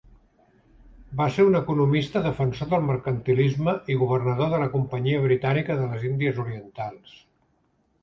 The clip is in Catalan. Va ser un economista defensor del mercantilisme i governador de la Companyia Britànica de les Índies Orientals.